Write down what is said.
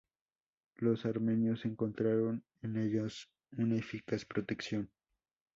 Los armenios encontraron en ellos una eficaz protección.